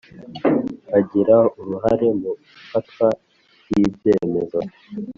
bagira uruhare mu ifatwa ry’ibyemezo